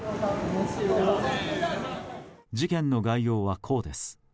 事件の概要は、こうです。